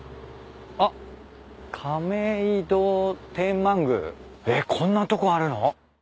あっ「亀戸天満宮」えっこんなとこあるの？